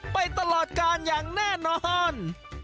ไปตลอดกาลอย่างแน่นอน